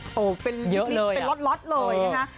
โอ้โหเป็นล็อตเลยนะคะ